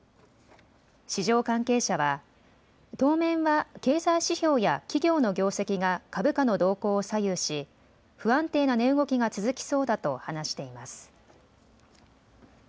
市場関係者は当面は経済指標や企業の業績が株価の動向を左右し不安定な値動きが続きそうだと話しています。